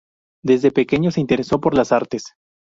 Desde pequeño se interesó por las artes.